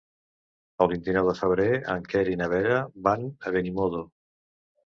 El vint-i-nou de febrer en Quer i na Vera van a Benimodo.